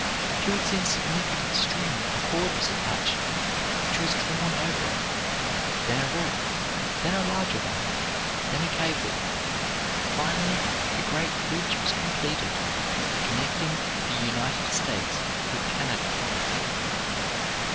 To its insignificant string a cord was attached, which was drawn over, then a rope, then a larger one, then a cable; finally the great bridge was completed, connecting the United States with Canada.